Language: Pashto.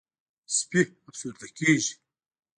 سپي افسرده کېږي.